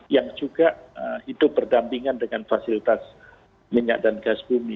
yang juga hidup berdampingan dengan fasilitas minyak dan gas bumi